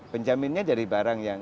penjaminnya dari barang yang